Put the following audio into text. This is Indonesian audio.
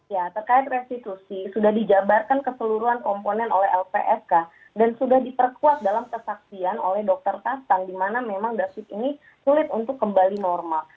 ya terkait restitusi sudah dijabarkan keseluruhan komponen oleh lpsk dan sudah diperkuat dalam kesaksian oleh dokter tastang di mana memang david ini sulit untuk kembali normal